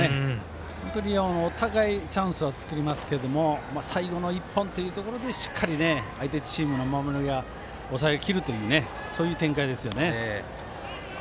本当にお互いチャンスは作りますけども最後の１本というところでしっかり、相手チームの守りが抑えきるというそういう展開ですよね。